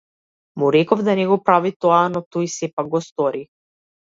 Му реков да не го прави тоа, но тој сепак го стори.